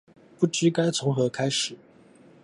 不知道該從何開始